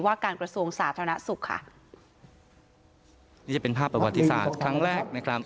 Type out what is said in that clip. การกระทรวงสาธารณสุขค่ะนี่จะเป็นภาพประวัติศาสตร์ครั้งแรกนะครับ